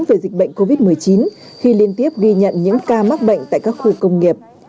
về dịch bệnh covid một mươi chín khi liên tiếp ghi nhận những ca mắc bệnh tại các khu công nghiệp